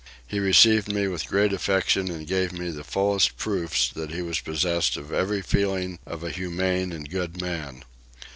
He received me with great affection and gave me the fullest proofs that he was possessed of every feeling of a humane and good man.